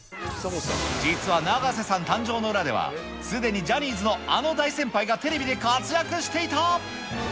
実は永瀬さん誕生の裏では、すでにジャニーズのあの大先輩がテレビで活躍していた。